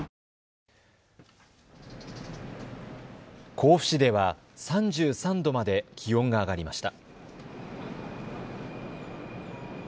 甲府市では３３度まで気温が上がりました。